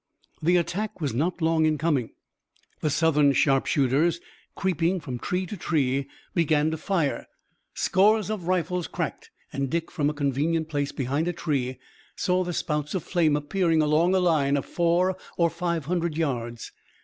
The attack was not long in coming. The Southern sharpshooters, creeping from tree to tree, began to fire. Scores of rifles cracked and Dick, from a convenient place behind a tree, saw the spouts of flame appearing along a line of four or five hundred yards.